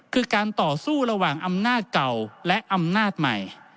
คือการต่อสู้ระหว่างอำนาจเก่าและอำนาจใหม่